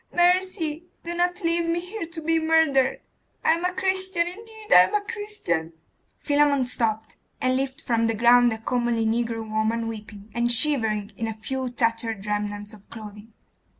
mercy! Do not leave me here to be murdered! I am a Christian; indeed I am a Christian!' Philammon stooped, and lifted from the ground a comely negro woman, weeping, and shivering in a few tattered remnants of clothing.